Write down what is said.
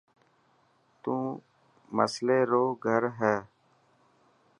تون مصلي لو گھر هي.